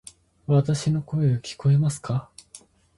わたし（の声）が聞こえますか？